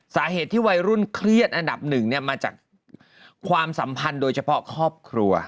สาเหตุที่วัยรุ่นเครียดอันดับหนึ่งเนี่ยมาจากความสัมพันธ์โดยเฉพาะครอบครัว